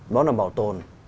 đó là bảo tồn